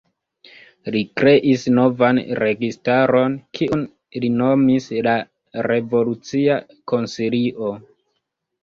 Li kreis novan registaron, kiun li nomis la "Revolucia Konsilio".